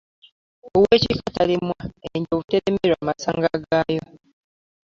Ow'ekika talemwa ,enyonju teremererwa masanga gaayo .